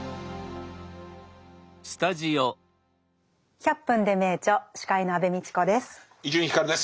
「１００分ｄｅ名著」司会の安部みちこです。